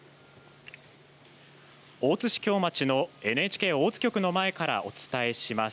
大津市京町のＮＨＫ大津局の前からお伝えします。